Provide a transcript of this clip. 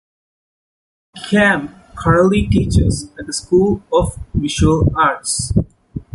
Camp currently teaches at the School of Visual Arts.